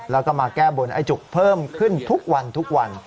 แล้วก็มาแก้บนไอ้จุกเพิ่มขึ้นทุกวันทุกวัน